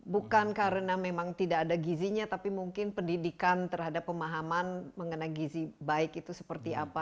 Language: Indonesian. bukan karena memang tidak ada gizinya tapi mungkin pendidikan terhadap pemahaman mengenai gizi baik itu seperti apa